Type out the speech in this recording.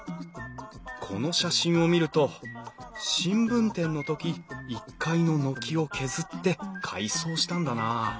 この写真を見ると新聞店の時１階の軒を削って改装したんだな。